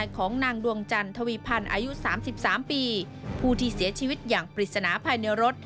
ของนางดวงจันทวีพันธ์อายุ๓๓ปีผู้ที่เสียชีวิตอย่างปริศนาภายในรถ